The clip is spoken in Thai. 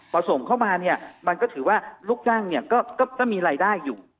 พอส่งเข้ามาเนี่ยมันก็ถือว่าลูกจ้างเนี่ยก็มีรายได้อยู่